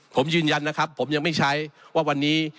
ผมยืนยันนะครับผมยังไม่ใช้ว่าวันนี้